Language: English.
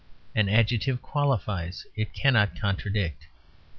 An adjective qualifies, it cannot contradict.